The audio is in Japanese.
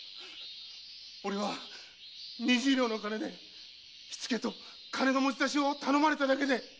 俺は二十両の金で火付けと金の持ち出しを頼まれただけで。